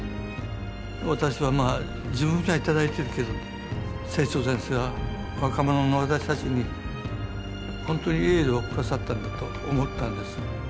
私はまあ自分が頂いているけど清張先生は若者の私たちにほんとにエールを下さったんだと思ったんです。